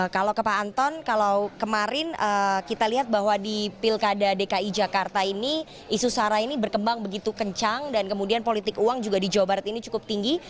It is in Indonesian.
kalau ke pak anton kalau kemarin kita lihat bahwa di pilkada dki jakarta ini isu sara ini berkembang begitu kencang dan kemudian politik uang juga di jawa barat ini cukup tinggi